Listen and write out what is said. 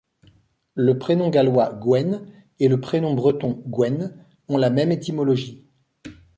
Le prénom gallois Gwen et le prénom breton Gwenn ont la même étymologie.